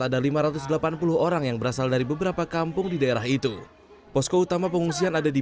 ada lima ratus delapan puluh orang yang berasal dari beberapa kampung di daerah itu posko utama pengungsian ada di